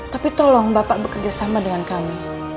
tapi tolong bapak bekerja sama dengan kami